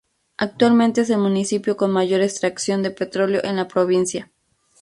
Actualmente es el municipio con mayor extracción de petróleo en la provincia.